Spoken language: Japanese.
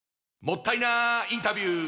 もったいなインタビュー！